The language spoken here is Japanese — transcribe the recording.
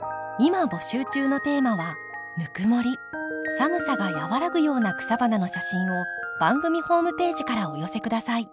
寒さが和らぐような草花の写真を番組ホームページからお寄せ下さい。